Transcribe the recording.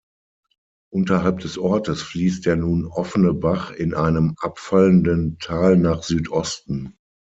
Unterhalb des Ortes fließt der nun offene Bach in einem abfallenden Tal nach Südosten.